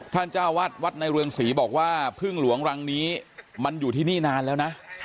เจ้าวัดวัดในเรืองศรีบอกว่าพึ่งหลวงรังนี้มันอยู่ที่นี่นานแล้วนะ